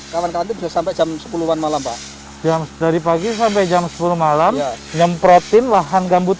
kawan kawan itu bisa sampai jam sepuluh an malam pak jam dari pagi sampai jam sepuluh malam nyemprotin lahan gambut